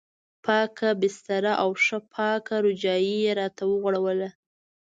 پاکه بستره او ښه پاکه رجایي یې راته وغوړوله.